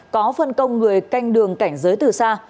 có phân công người canh đường cảnh giới từ xa